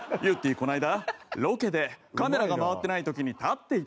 この間ロケでカメラが回ってない時に立っていたわけ。